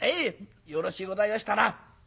よろしゅうございましたな。